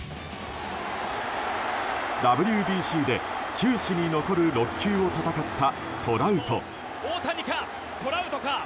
ＷＢＣで球史に残る６球を戦ったトラウト。